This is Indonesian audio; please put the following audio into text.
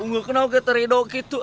enggak kenal gateri doang gitu